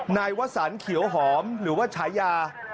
นายวสันเขียวหอมหรือว่าฉายา